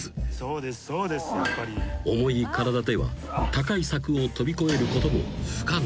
［重い体では高い柵を飛び越えることも不可能］